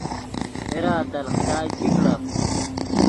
اے را تلخ چائے چی کڑف